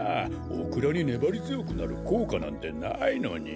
オクラにねばりづよくなるこうかなんてないのに。